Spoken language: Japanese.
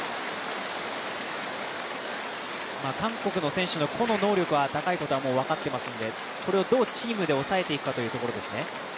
韓国の選手の個の能力が高いことは分かってますんでこれをどうチームで抑えていくかというところですね。